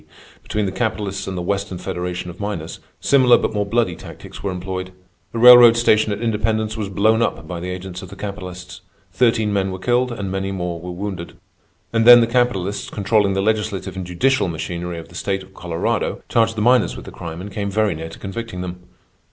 D., between the capitalists and the Western Federation of Miners, similar but more bloody tactics were employed. The railroad station at Independence was blown up by the agents of the capitalists. Thirteen men were killed, and many more were wounded. And then the capitalists, controlling the legislative and judicial machinery of the state of Colorado, charged the miners with the crime and came very near to convicting them.